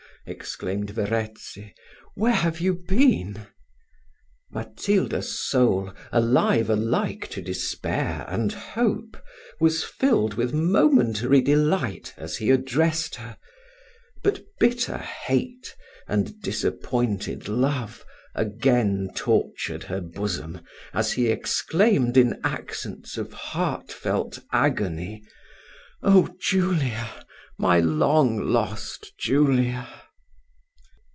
exclaimed Verezzi, "where have you been?" Matilda's soul, alive alike to despair and hope, was filled with momentary delight as he addressed her; but bitter hate, and disappointed love, again tortured her bosom, as he exclaimed in accents of heart felt agony: "Oh! Julia, my long lost Julia!"